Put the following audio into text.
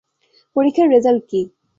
পরীক্ষার রেজাল্ট কী?